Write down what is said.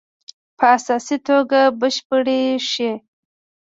په اساسي توګه بشپړې شي.